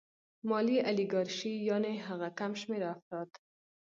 مالي الیګارشي یانې هغه کم شمېر افراد